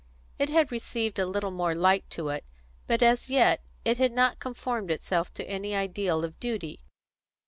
It had received a little more light into it, but as yet it had not conformed itself to any ideal of duty.